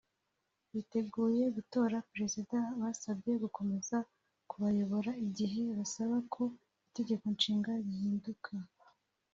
Biteguye gutora Perezida basabye gukomeza kubayobora igihe basabaga ko itegeko nshinga rihinduka